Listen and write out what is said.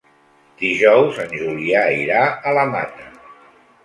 Dijous en Julià irà a la Mata.